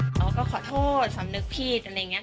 เขาก็ขอโทษสำนึกผิดอะไรอย่างนี้